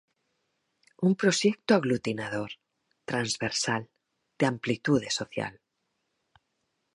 Un proxecto aglutinador, transversal, de amplitude social.